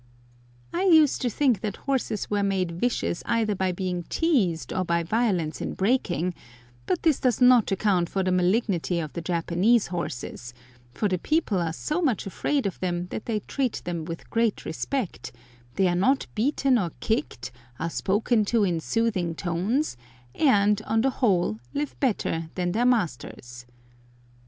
I used to think that horses were made vicious either by being teased or by violence in breaking; but this does not account for the malignity of the Japanese horses, for the people are so much afraid of them that they treat them with great respect: they are not beaten or kicked, are spoken to in soothing tones, and, on the whole, live better than their masters.